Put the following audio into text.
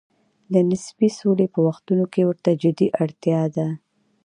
د نسبي سولې په وختونو کې ورته جدي اړتیا ده.